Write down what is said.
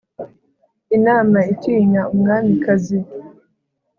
inama itinya umwamikazi